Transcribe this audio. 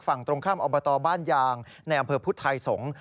ฝั่งตรงข้ามอบตบ้านยางในอำเภอพุทธไทยสงศ์